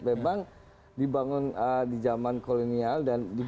memang dibangun di zaman kolonial dan